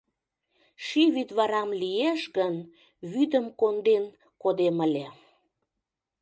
Ший вӱдварам лиеш гын, Вӱдым конден кодем ыле.